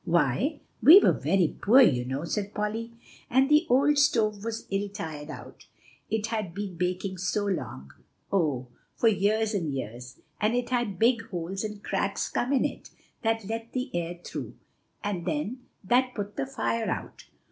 "Why, we were very poor, you know," said Polly; "and the old stove was all tired out, it had been baking so long oh! for years and years; and it had big holes and cracks come in it that let the air through, and then that put the fire out."